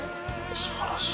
すばらしい。